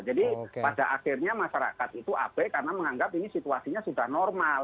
jadi pada akhirnya masyarakat itu abai karena menganggap ini situasinya sudah normal